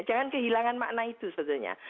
jangan kehilangan makna itu sebetulnya